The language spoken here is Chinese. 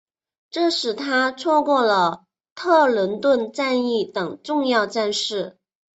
这使他错过了特伦顿战役等重要战事。